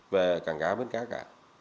về cảng cá mất cá cả